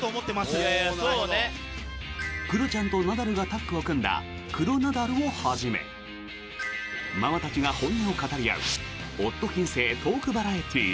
クロちゃんとナダルさんがタッグを組んだ「クロナダル」をはじめママたちが本音を語り合う夫禁制トークバラエティー。